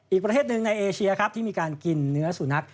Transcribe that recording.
อีกประเทศหนึ่งในเอเชียครับที่มีการกินเนื้อสุนัข